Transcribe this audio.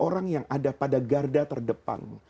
orang yang ada pada garda terdepan